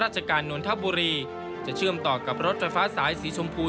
จะเชื่อมต่อกับรถไฟฟ้าสายสีชมพู